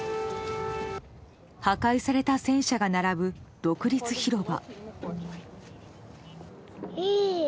破壊された戦車が並ぶ独立広場。